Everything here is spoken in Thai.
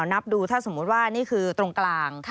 นับดูถ้าสมมุติว่านี่คือตรงกลาง